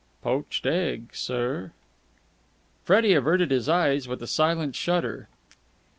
"Poached egg, sir." Freddie averted his eyes with a silent shudder.